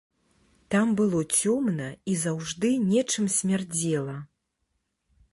Там было цёмна і заўжды нечым смярдзела.